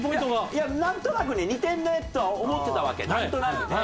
いやなんとなくね似てるねとは思ってたわけなんとなくね。